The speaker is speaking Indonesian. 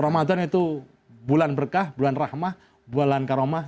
ramadan itu bulan berkah bulan rahmah bulan karomah